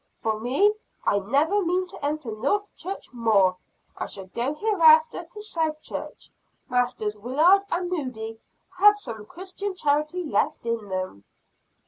For me, I never mean to enter North Church more. I shall go hereafter to South Church; Masters Willard and Moody have some Christian charity left in them."